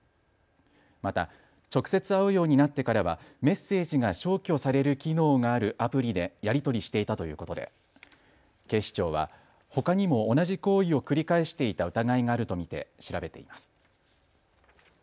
また直接会うようになってからはメッセージが消去される機能があるアプリでやり取りしていたということで警視庁はほかにも同じ行為を繰り返していた疑いがあると見て調べています。